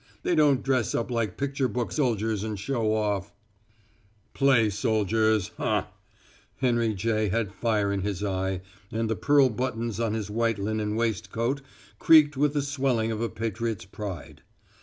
They don't dress up like picture book soldiers and show off " "Play soldiers huh!" Henry J. had fire in his eye, and the pearl buttons on his white linen waistcoat creaked with the swelling of a patriot's pride.